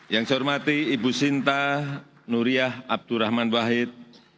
yang saya hormati ibu sinta nuriyah abdurrahman wahid